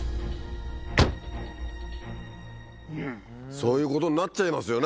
そういうことになっちゃいますよね。